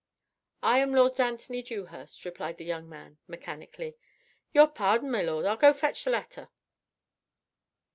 "I am Lord Anthony Dewhurst," replied the young man mechanically. "Your pardon, my lord, I'll go fetch th' letter."